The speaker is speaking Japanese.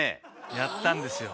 やったんですよ。